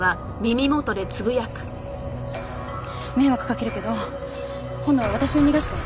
迷惑かけるけど今度は私を逃がして。